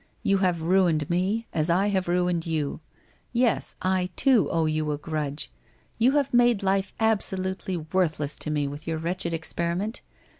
You have ruined me, as I have ruined you. Yes, I, too, owe you a grudge. You have made life ab solutely worthless to me with your wretched experiment.